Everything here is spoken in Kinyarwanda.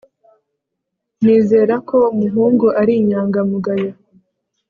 Nizera ko umuhungu ari inyangamugayo